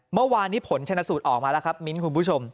เมื่อวานนี้ผลชนะสูตรออกมาแล้วครับมิ้นคุณผู้ชม